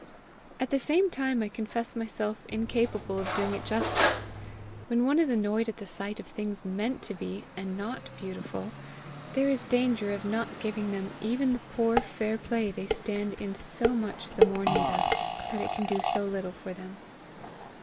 At the same time I confess myself incapable of doing it justice. When one is annoyed at the sight of things meant to be and not beautiful, there is danger of not giving them even the poor fair play they stand in so much the more need of that it can do so little for them.